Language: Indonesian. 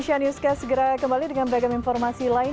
cnn newscast segera kembali dengan beragam informasi lain